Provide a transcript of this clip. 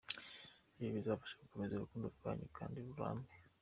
Ibi bizabafasha gukomeza urukundo rwanyu, kandi rurambe.